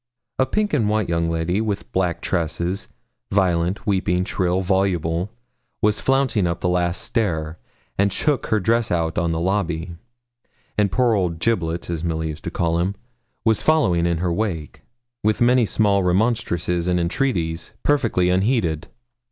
A pink and white young lady, with black tresses, violent, weeping, shrill, voluble, was flouncing up the last stair, and shook her dress out on the lobby; and poor old Giblets, as Milly used to call him, was following in her wake, with many small remonstrances and entreaties, perfectly unheeded.